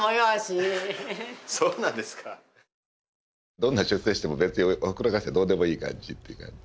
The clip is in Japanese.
どんなに出世しても別におふくろに関してはどうでもいい感じっていうか。